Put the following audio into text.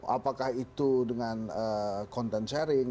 apakah itu dengan content sharing